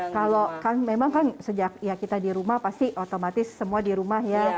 kalau kan memang kan sejak ya kita di rumah pasti otomatis semua di rumah ya